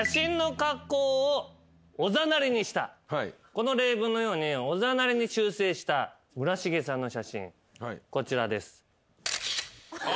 この例文のようにおざなりに修整した村重さんの写真こちらです。